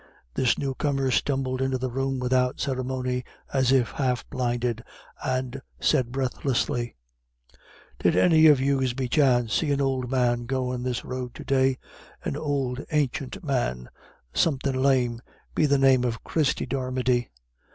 This newcomer stumbled into the room without ceremony, as if half blinded, and said breathlessly "Did any of yous be chance see an ould man goin' this road to day? An ould ancient man, somethin' lame; be the name of Christie Dermody?"